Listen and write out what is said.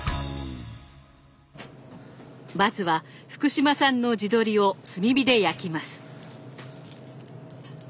まずは福島産の地鶏を炭火で焼きます。